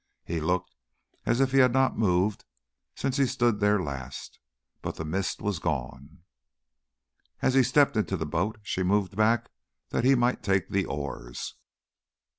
He looked as if he had not moved since he stood there last, but the mist was gone. As he stepped into the boat, she moved back that he might take the oars.